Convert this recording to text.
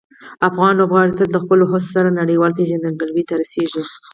افغان لوبغاړي تل د خپلو هڅو سره نړیوالې پېژندګلوۍ ته رسېږي.